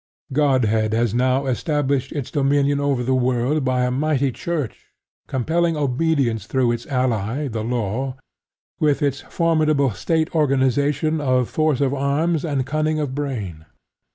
Godhead has now established its dominion over the world by a mighty Church, compelling obedience through its ally the Law, with its formidable State organization of force of arms and cunning of brain.